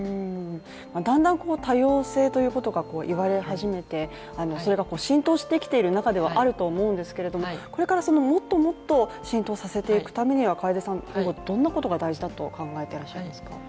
だんだん多様性ということが言われ始めて、それが浸透してきている中ではあると思うんですけれどもこれからもっともっと浸透させていくためには楓さんは今後どんなことが大事だと考えていらっしゃいますか？